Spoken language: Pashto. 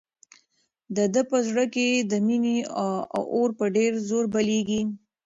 د ده په زړه کې د مینې اور په ډېر زور بلېږي.